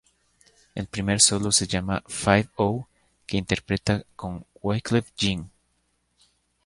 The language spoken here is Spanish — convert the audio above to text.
El primer solo se llama "Five-O", que interpreta con Wyclef Jean.